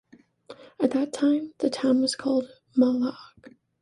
At that time, the town was called "Malaueg".